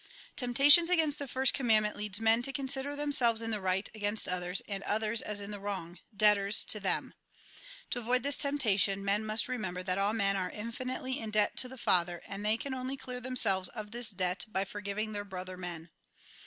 Temptation against the first commandment leads men to consider themselves in the right against others, and others as ia the wrong, debtors to them. To avoid this temptation, men must remember that all men are always infinitely in debt to the Father, and they can only clear themselves of this debt by forgiving their brother men.